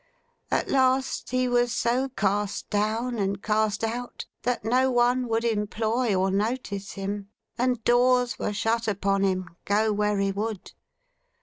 At last, he was so cast down, and cast out, that no one would employ or notice him; and doors were shut upon him, go where he would.